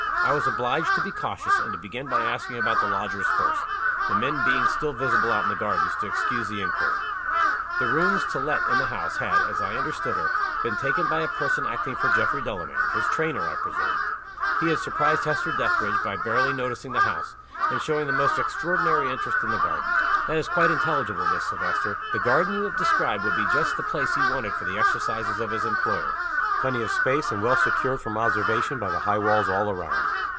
I was obliged to be cautious, and to begin by asking about the lodgers first the men being still visible out in the garden, to excuse the inquiry. The rooms to let in the house had (as I understood her) been taken by a person acting for Geoffrey Delamayn his trainer, I presume. He had surprised Hester Dethridge by barely noticing the house, and showing the most extraordinary interest in the garden." "That is quite intelligible, Miss Silvester. The garden you have described would be just the place he wanted for the exercises of his employer plenty of space, and well secured from observation by the high walls all round.